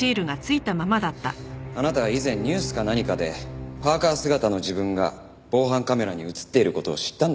あなたは以前ニュースか何かでパーカ姿の自分が防犯カメラに映っている事を知ったんでしょう。